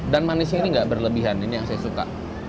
dan manisnya ini nggak berlebihan ini yang saya suka